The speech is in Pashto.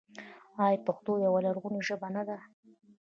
آیا پښتو یوه لرغونې ژبه نه ده؟